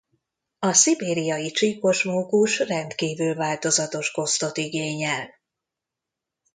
A szibériai csíkos mókus rendkívül változatos kosztot igényel.